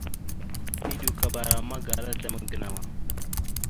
Eɗʉkabara magala azlam a gənow a.